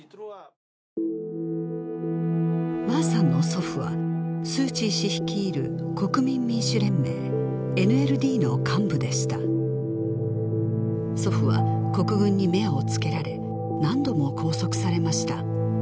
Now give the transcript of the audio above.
マーさんの祖父はスー・チー氏率いる国民民主連盟ＮＬＤの幹部でした祖父は国軍に目をつけられ何度も拘束されました